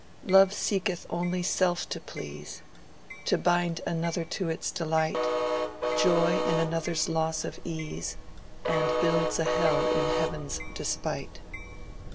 ....... Love seeketh only self to please, To bind another to its delight, Joys in another's loss of ease, And builds a hell in heaven's despite."